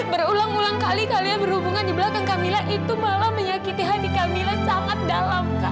berulang ulang kali kalian berhubungan di belakang kamila itu malah menyakiti hadi camilla sangat dalam kak